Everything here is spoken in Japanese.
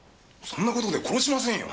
そんな事で殺しませんよ！